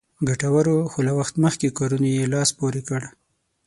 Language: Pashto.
ګټورو خو له وخت مخکې کارونو یې لاس پورې کړ.